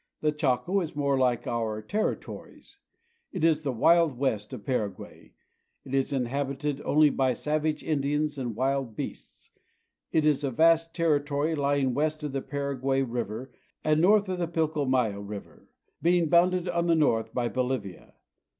The Chaco is more hke our Territories. It is the wild west " of Paraguay. It is inhabited only by savage Indians and wild beasts. It is a vast territory lying west of the Paraguay river and north of the Pilcomayo river, being bounded on the north by Bolivia.